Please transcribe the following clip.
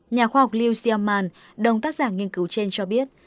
nhà khoa học liu xiaoman đồng tác giả nghiên cứu trên cho biết